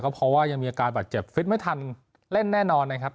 เพราะว่ายังมีอาการบาดเจ็บฟิตไม่ทันเล่นแน่นอนนะครับ